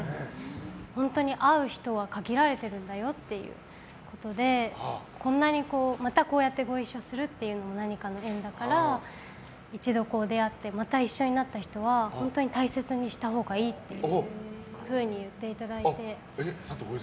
本当に会う人は限られてるんだよっていうことでまたこうやってご一緒するっていうのも何かの縁だから一度出会ってまた一緒になった人は本当に大切にしたほうがいいっていうふうに言っていただいて。